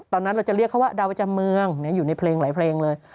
ตอนนั้นเราจะเรียกเขาว่าดาวประจำเมืองอยู่ในเพลงหลายเพลงเลย